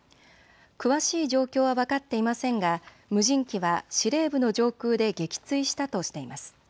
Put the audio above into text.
詳しい状況は分かっていませんが無人機は司令部の上空で撃墜したとしています。